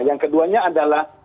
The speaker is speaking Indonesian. yang keduanya adalah